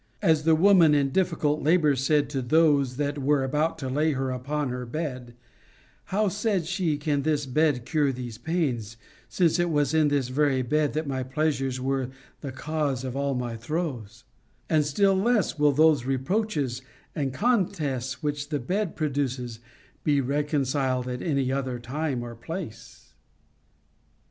As the woman in diffi cult labor said to those that were about to lay her upon her bed ; How, said she, can this bed cure these pains, since it was in this very bed that my pleasures were the cause of all my throes \ And still less will those reproaches and contests which the bed produces be reconciled at any other time or place.